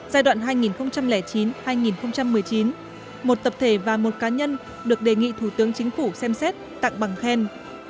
giai đoạn hai nghìn chín hai nghìn một mươi chín một tập thể và một cá nhân được đề nghị thủ tướng chính phủ xem xét tặng bằng khen